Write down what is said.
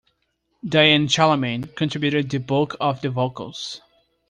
Diane Charlemagne contributed the bulk of the vocals.